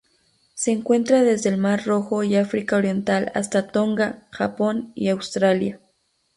Se encuentra desde el mar Rojo y África Oriental hasta Tonga, Japón y Australia.